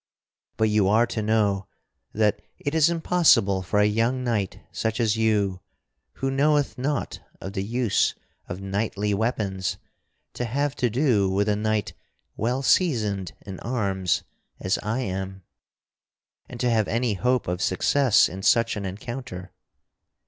But you are to know that it is impossible for a young knight such as you, who knoweth naught of the use of knightly weapons, to have to do with a knight well seasoned in arms as I am, and to have any hope of success in such an encounter.